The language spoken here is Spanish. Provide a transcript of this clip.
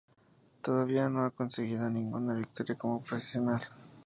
Todavía no ha conseguida ninguna victoria como profesional.